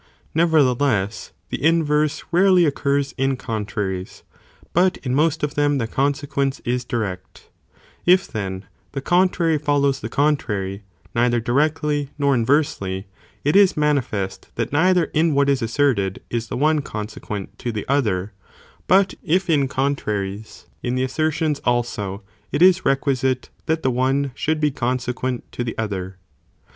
Neverthe less, the inverse rarely occurs in contraries, but in most of them the consequence is direct; if then the contrary follows the contrary, neither directly nor inversely, it is manifest that neither in what is asserted, is the one, consequent to, the other; but if in contraries, in the assertions* also, it is requisite, that the one should be consequent to the other.